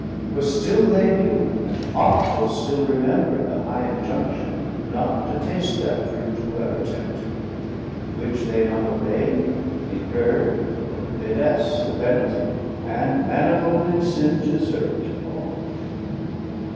For still they knew, and ought to have still remember'd The high Injunction not to taste that Fruit, Whoever tempted; which they not obeying, Incurr'd, what could they less, the penaltie, And manifold in sin, deserv'd to fall.